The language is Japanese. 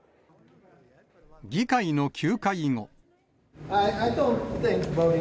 議会の休会後。